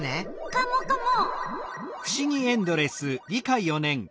カモカモ。